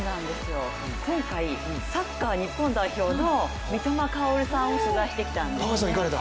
今回、サッカー日本代表の三笘薫さんを取材してきたんですね。